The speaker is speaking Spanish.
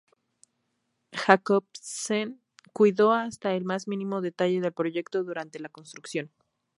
Jacobsen cuidó hasta el más mínimo detalle del proyecto durante la construcción.